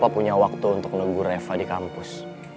punya waktu untuk nunggu reva di kampus